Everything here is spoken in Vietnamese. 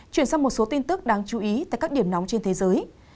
chuyển sang một số tin tức đáng chú ý tại các điểm nóng trên thế giới